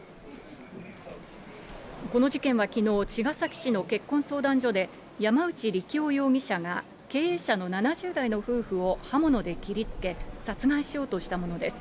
この事件はきのう、茅ヶ崎市の結婚相談所で、山内利喜夫容疑者が経営者の７０代の夫婦を刃物で切りつけ、殺害しようとしたものです。